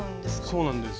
そうなんです。